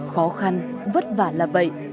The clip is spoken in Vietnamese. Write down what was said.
khó khăn vất vả là vậy